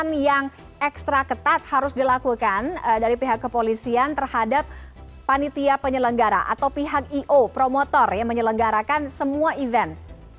pemeriksaan yang ekstra ketat harus dilakukan dari pihak kepolisian terhadap panitia penyelenggara atau pihak i o promotor yang menyelenggarakan semua event